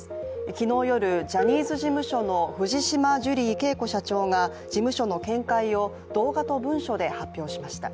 昨日夜、ジャニーズ事務所の藤島ジュリー景子社長が事務所の見解を、動画と文書で発表しました。